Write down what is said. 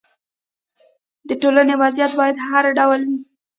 د ټولنې وضعیت باید څه ډول وي.